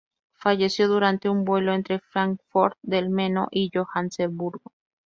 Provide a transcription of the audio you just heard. Falleció durante un vuelo entre Fráncfort del Meno y Johannesburgo.